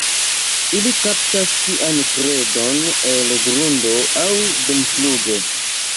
Ili kaptas sian predon el grundo aŭ dumfluge.